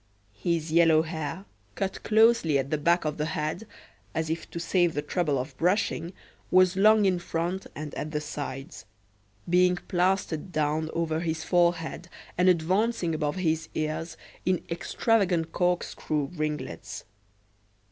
His yellow hair, cut closely at the back of the head, as if to save the trouble of brushing, was long in front and at the sides; being plastered down over his forehead and advancing above his ears in extravagant corkscrew ringlets.